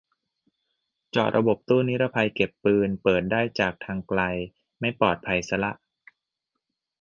เจาะระบบตู้นิรภัยเก็บปืน เปิดได้จากทางไกล ไม่ปลอดภัยซะละ